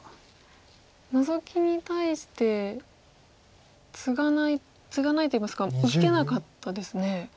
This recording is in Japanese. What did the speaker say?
ノゾキに対してツガないツガないといいますか受けなかったですね。